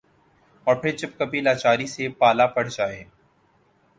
اور پھر جب کبھی لاچاری سے پالا پڑ جائے ۔